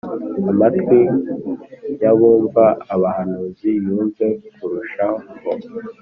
amatwi y’abumva abahanuzi yumve kurushaho.